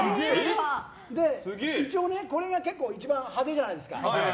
一応、これが一番派手じゃないですか。